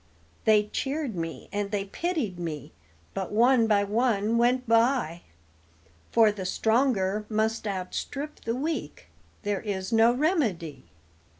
They cheered me and they pitied me, but one by one went by, For the stronger must outstrip the weak; there is no remedy.